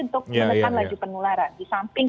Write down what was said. untuk menahan laju pengularan di samping